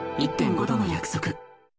１．５℃の約束。